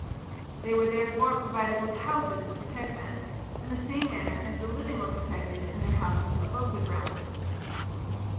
They were therefore provided with "houses" to protect them, in the same manner as the living were protected in their houses above the ground.